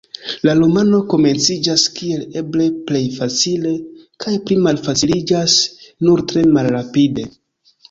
La romano komenciĝas kiel eble plej facile, kaj pli malfaciliĝas nur tre malrapide.